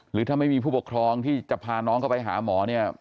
หรือถ้าไม่มีผู้ปกครองที่จะพาน้องเข้าไปหาหมอเนี่ย